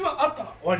終わり。